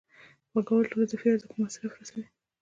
پانګوال ټول اضافي ارزښت په مصرف رسوي